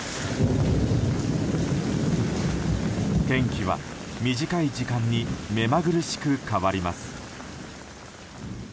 天気は短い時間に目まぐるしく変わります。